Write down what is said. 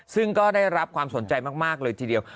ซึ่งก็ได้รับความสนใจมากเลยทีเดียว